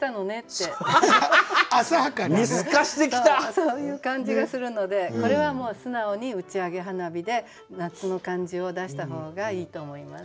そういう感じがするのでこれはもう素直に「打ち上げ花火」で夏の感じを出した方がいいと思います。